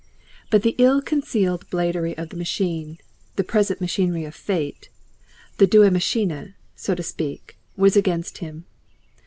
But the ill concealed bladery of the machine, the present machinery of Fate, the deus ex machina, so to speak, was against him.